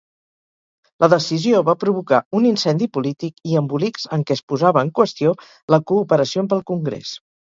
La decisió va provocar un incendi polític i embolics en què es posava en qüestió la cooperació amb el Congrés.